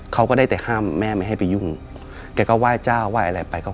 เขาก็ได้แต่ห้ามแม่ไม่ให้ไปยุ่งแกก็ไหว้เจ้าไหว้อะไรไป